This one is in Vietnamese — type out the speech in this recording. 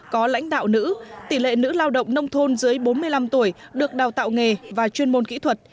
có lãnh đạo nữ tỷ lệ nữ lao động nông thôn dưới bốn mươi năm tuổi được đào tạo nghề và chuyên môn kỹ thuật